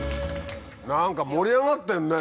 何か盛り上がってんね。